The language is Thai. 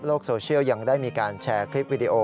โซเชียลยังได้มีการแชร์คลิปวิดีโอ